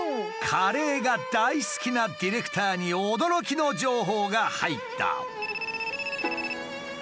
カレーが大好きなディレクターに驚きの情報が入った。